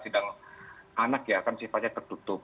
sidang anak ya kan sifatnya tertutup